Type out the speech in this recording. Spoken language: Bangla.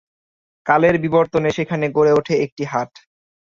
কালের বিবর্তনে সেখানে গড়ে উঠে একটি হাট।